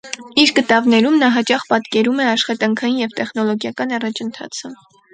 Իր կտավներում նա հաճախ պատկերում է աշխատանքային և տեխնոլոգիական առաջընթացը։